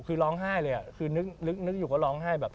คือร้องไห้เลยคือนึกอยู่เขาร้องไห้แบบ